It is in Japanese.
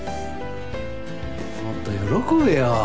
もっと喜べよ！